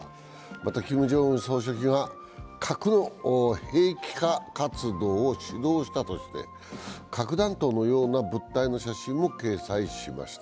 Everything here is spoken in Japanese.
また、キム・ジョンウン総書記が核の兵器化活動を指導したとして核弾頭のような物体の写真も掲載しました。